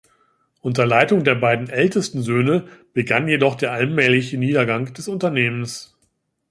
Unter Leitung der beiden ältesten Söhne begann jedoch der allmähliche Niedergang des Unternehmens.